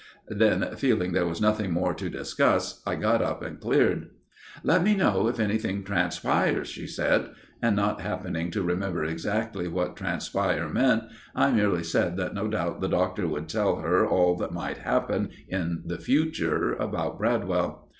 Then, feeling there was nothing more to discuss, I got up and cleared. "Let me know if anything transpires," she said, and not happening to remember exactly what "transpire" meant, I merely said that no doubt the Doctor would tell her all that might happen in the future about Bradwell.